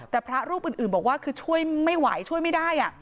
แต่พระรูปอื่นบอกว่าคือช่วยไม่ไหวช่วยไม่ได้